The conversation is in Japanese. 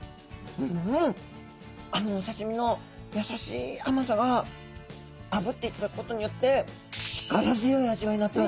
あのお刺身の優しい甘さがあぶっていただくことによって力強い味わいになってます。